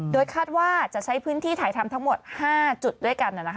โดยคาดว่าจะใช้พื้นที่ถ่ายทำทั้งหมด๕จุดด้วยกัน